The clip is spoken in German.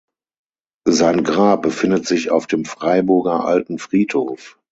Sein Grab befindet sich auf dem Freiburger Alten Friedhof.